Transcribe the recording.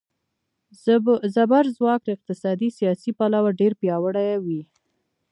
زبرځواک له اقتصادي، سیاسي پلوه ډېر پیاوړي وي.